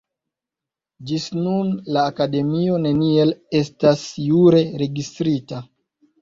Ĝis nun la Akademio neniel estas jure registrita.